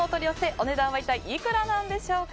お値段は一体いくらでしょうか。